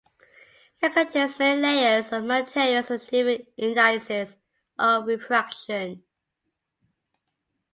It contains many layers of materials with different indices of refraction.